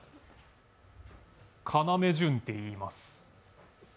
要潤っていいます。